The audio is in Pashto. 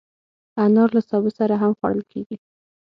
انار له سابه سره هم خوړل کېږي.